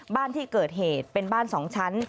บ้านที่เกิดเหตุเป็นบ้าน๒ชั้น